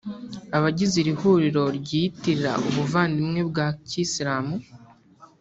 Abagize iri huriro ryiyitirira ubuvandimwe bwa kisilamu